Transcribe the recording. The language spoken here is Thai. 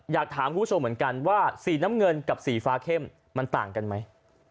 อยากถามคุณผู้ชมเหมือนกันว่าสีน้ำเงินกับสีฟ้าเข้มมันต่างกันไหม